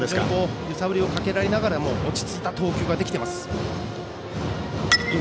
揺さぶりをかけられながらも落ち着いた投球ができています。